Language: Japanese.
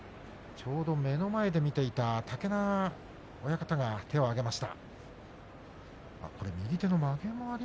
ちょうど目の前で見ていた竹縄親方が物言いをつけました。